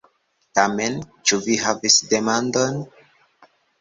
Tamen, ĉu vi havis demandon?